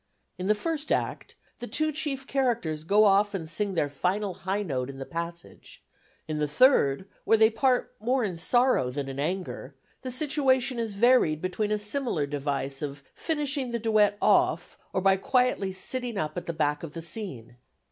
In the first act, the two chief characters go off and sing their final high note in the passage; in the third, where they part more in sorrow than in anger, the situation is varied between a similar device of finishing the duet "off" or by quietly sitting up at the back of the scene.